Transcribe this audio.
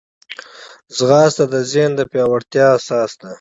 ځغاسته د ذهن د پیاوړتیا اساس ده